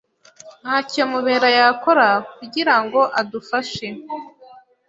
Ntacyo Mubera yakora kugirango adufashe.